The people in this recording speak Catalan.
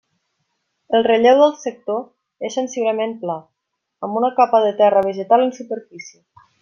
El relleu del sector és sensiblement pla, amb una capa de terra vegetal en superfície.